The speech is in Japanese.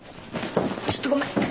ちょっとごめん！